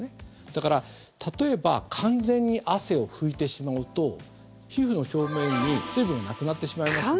だから、例えば完全に汗を拭いてしまうと皮膚の表面に、水分がなくなってしまいますので。